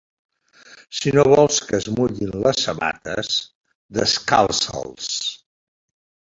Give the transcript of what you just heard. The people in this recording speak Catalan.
Si no vols que es mullin les sabates, descalça'ls.